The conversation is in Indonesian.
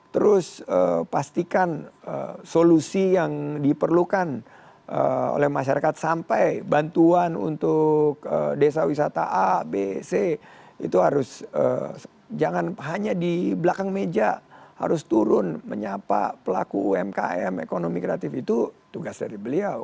terus pastikan solusi yang diperlukan oleh masyarakat sampai bantuan untuk desa wisata a b c itu harus jangan hanya di belakang meja harus turun menyapa pelaku umkm ekonomi kreatif itu tugas dari beliau